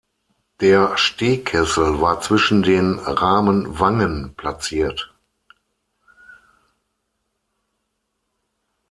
Der Stehkessel war zwischen den Rahmenwangen platziert.